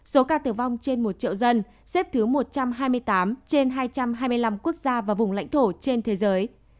số ca tử vong trên một triệu dân xếp thứ một trăm hai mươi tám trên hai trăm hai mươi năm quốc gia và vùng lãnh thổ trên thế giới